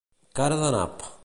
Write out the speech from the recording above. Cara de nap.